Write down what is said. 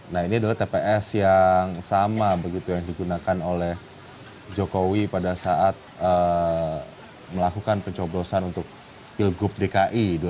nah ini adalah tps yang sama begitu yang digunakan oleh jokowi pada saat melakukan pencoblosan untuk pilgub dki dua ribu tujuh belas